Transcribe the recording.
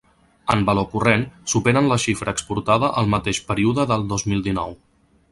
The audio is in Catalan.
En valor corrent, superen la xifra exportada el mateix període del dos mil dinou.